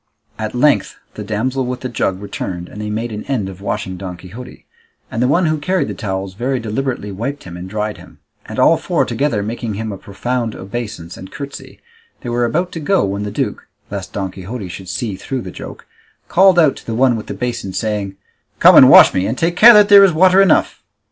At length the damsel with the jug returned and they made an end of washing Don Quixote, and the one who carried the towels very deliberately wiped him and dried him; and all four together making him a profound obeisance and curtsey, they were about to go, when the duke, lest Don Quixote should see through the joke, called out to the one with the basin saying, "Come and wash me, and take care that there is water enough."